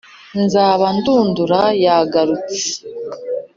Nzaba ndundura yagarutse